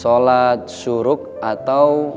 sholat suruk atau